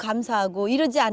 kami datang ke sekolah